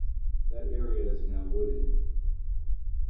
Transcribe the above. That area is now wooded.